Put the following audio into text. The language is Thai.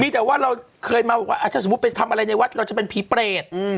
แต่ว่าเราเคยมาบอกว่าถ้าสมมุติไปทำอะไรในวัดเราจะเป็นผีเปรต